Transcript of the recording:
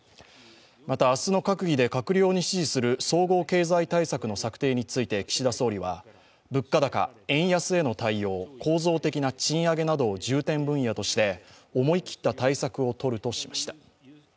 また、明日の閣議で閣僚に指示する総合経済対策の策定について岸田総理は、物価高、円安への対応、構造的な賃上げなどを重点分野として、思い切った対策をとるとしました。